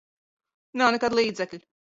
Nav nekādu līdzekļu.